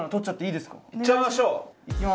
いっちゃいましょう。